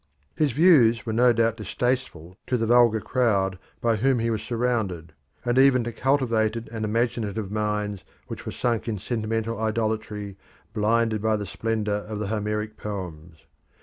His views were no doubt distasteful to the vulgar crowd by whom he was surrounded, and even to cultivated and imaginative minds which were sunk in sentimental idolatry, blinded by the splendour of the Homeric poems.